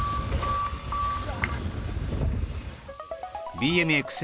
ＢＭＸ